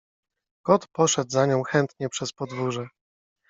Kot poszedł za nią chętnie przez podwórze.